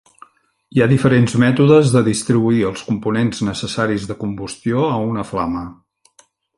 Hi ha diferents mètodes de distribuir els components necessaris de combustió a una flama.